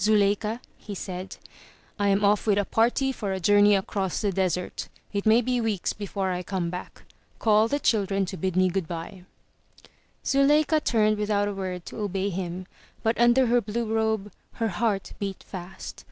'*Zuleika," he said, ''I am off with a party for a journey across the desert. It may be weeks before I come back. Call the children to bid me good by." Zuleika turned without a word to obey him, but under her blue robe, her heart beat fast.